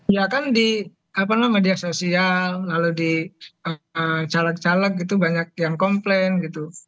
ya kan di media sosial lalu di caleg caleg gitu banyak yang komplain gitu